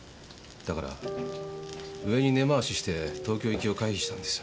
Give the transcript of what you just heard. だから上に根回しして東京行きを回避したんです。